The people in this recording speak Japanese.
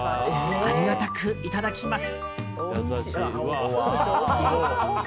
ありがたくいただきます。